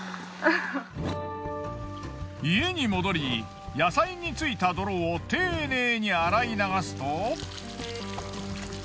家に戻り野菜についた泥を丁寧に洗い流すと。